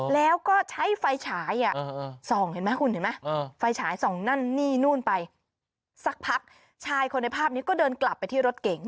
แล้วก็ใช้ไฟฉายส่องนั่นนี่นู่นไปสักพักชายคนในภาพนี้ก็เดินกลับไปที่รถเก๋ง